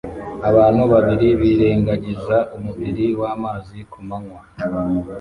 Abantu babiri birengagiza umubiri wamazi kumanywa